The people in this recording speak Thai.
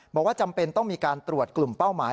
จำเป็นต้องมีการตรวจกลุ่มเป้าหมาย